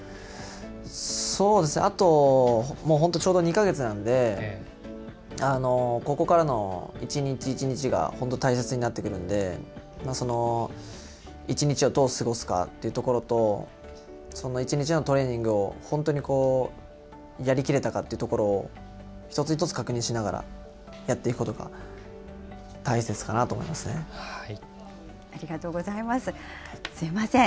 そうですね、あともう本当、ちょうど２か月なんで、ここからの一日一日が、本当、大切になってくるんで、一日をどう過ごすかっていうところと、その一日のトレーニングを本当にやり切れたかっていうところを、一つ一つ確認しながら、やっていくことが大切かなと思いますね。